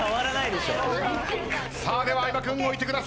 では相葉君置いてください。